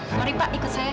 mari pak ikut saya